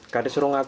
kada suruh mengaku